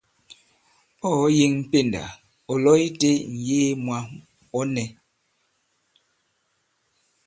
Ɔ̂ ɔ̀ yeŋ pendà ɔ̀ lo itē ì-ŋ̀yee mu mwà, ɔ̌ nɛ̄.